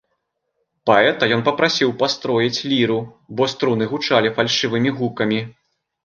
Паэта ён папрасіў пастроіць ліру, бо струны гучалі фальшывымі гукамі.